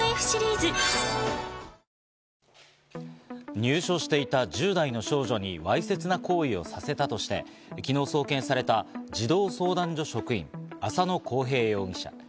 入所していた１０代の少女にわいせつな行為をさせたとして、昨日、送検された児童相談所職員・浅野紘平容疑者。